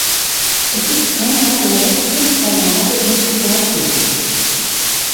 Es ist einer der letzten Verlage in Privatbesitz.